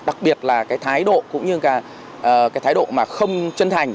đặc biệt là cái thái độ cũng như là cái thái độ mà không chân thành